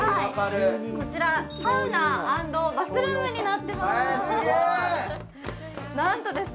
こちらサウナ＆バスルームになっています。